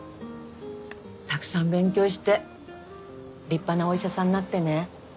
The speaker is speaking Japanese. たくさん勉強して立派なお医者さんなってね。